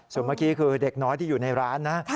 ส่วนเมื่อกี้คือเด็กน้อยที่อยู่ในร้านนะ